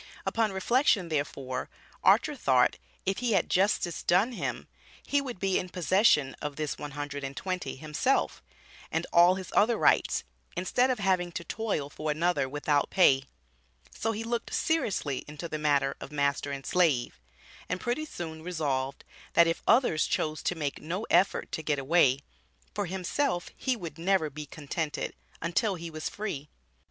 Upon reflection, therefore, Archer thought, if he had justice done him, he would be in possession of this "one hundred and twenty" himself, and all his other rights, instead of having to toil for another without pay; so he looked seriously into the matter of master and slave, and pretty soon resolved, that if others chose to make no effort to get away, for himself he would never be contented, until he was free.